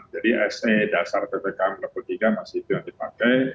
jadi ese dasar ppk enam puluh tiga masih itu yang dipakai